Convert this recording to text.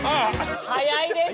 早いです。